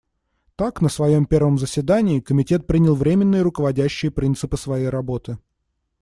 Так, на своем первом заседании Комитет принял временные руководящие принципы своей работы.